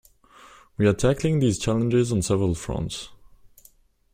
We are tackling these challenges on several fronts.